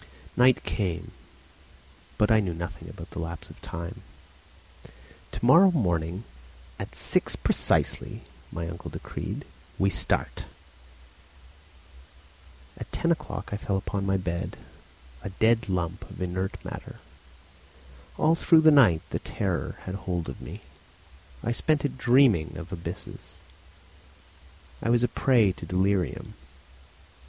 Night came. But I knew nothing about the lapse of time. "To morrow morning at six precisely," my uncle decreed "we start." At ten o'clock I fell upon my bed, a dead lump of inert matter. All through the night terror had hold of me. I spent it dreaming of abysses. I was a prey to delirium.